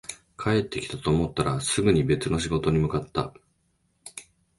帰ってきたと思ったら、すぐに別の仕事に向かった